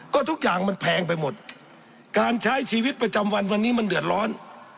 ก็ทุกอย่างมันแพงไปหมดการใช้ชีวิตประจำวันวันนี้มันเดือดร้อน